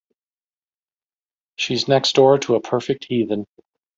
She’s next door to a perfect heathen.